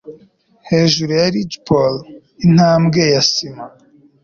Hejuru ya ridgepole intambwe ya sima